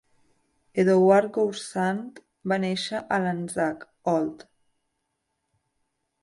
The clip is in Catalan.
Edouard Goursat va néixer a Lanzac, Òlt.